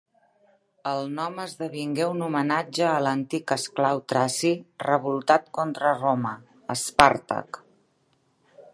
El nom esdevingué un homenatge a l'antic esclau traci revoltat contra Roma, Espàrtac.